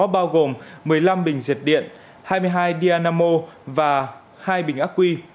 bao gồm một mươi năm bình diệt điện hai mươi hai dianamo và hai bình ác quy